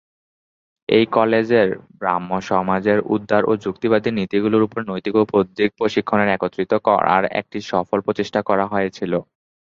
এই কলেজে ব্রাহ্মসমাজের উদার ও যুক্তিবাদী নীতিগুলির উপর নৈতিক ও বৌদ্ধিক প্রশিক্ষণের একত্রিত করার একটি সফল প্রচেষ্টা করা হয়েছিল।